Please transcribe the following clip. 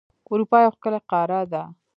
اروپا یو ښکلی قاره ده.